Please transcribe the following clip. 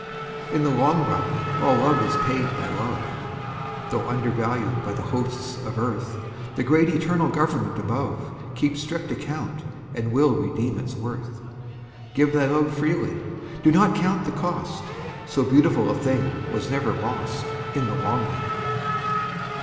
In the long run all love is paid by love, Though undervalued by the hosts of earth; The great eternal Government above Keeps strict account and will redeem its worth. Give thy love freely; do not count the cost; So beautiful a thing was never lost In the long run.